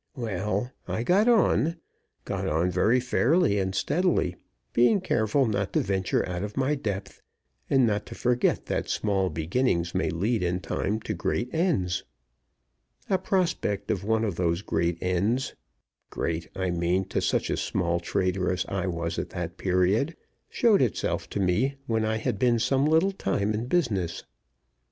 Well, I got on got on very fairly and steadily, being careful not to venture out of my depth, and not to forget that small beginnings may lead in time to great ends. A prospect of one of those great ends great, I mean, to such a small trader as I was at that period showed itself to me when I had been some little time in business.